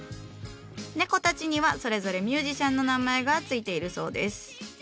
猫たちにはそれぞれミュージシャンの名前が付いているそうです。